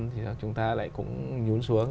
thì chúng ta lại cũng nhuốn xuống